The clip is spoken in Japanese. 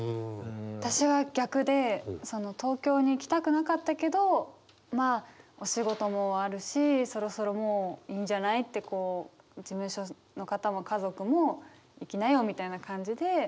私は逆で東京に来たくなかったけどまあお仕事もあるしそろそろもういいんじゃないって事務所の方も家族も行きなよみたいな感じで。